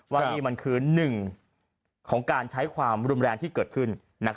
ว่านี่มันคือหนึ่งของการใช้ความรุนแรงที่เกิดขึ้น